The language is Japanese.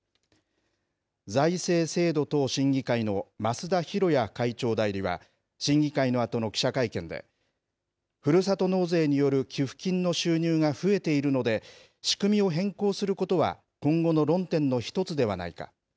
財政制度等審議会の増田寛也会長代理は審議会のあとの記者会見で、ふるさと納税による寄付金の収入が増えているので、仕組みを変更することは今後の論点の１つではないか。